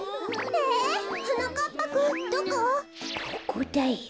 ここだよ！